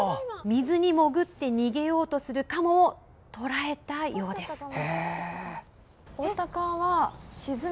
水に潜って逃げようとするカモを捕らえたようです。